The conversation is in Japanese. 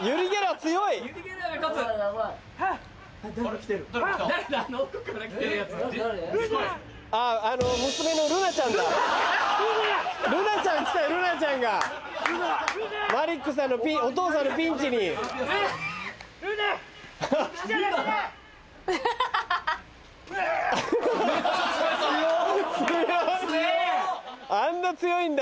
強いあんな強いんだ。